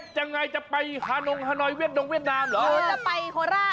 จังไงจะไปฮานงฮานอยเวียดดงเวียดนามเหรอ